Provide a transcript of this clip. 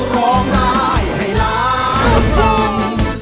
ร้องร้ายให้รัก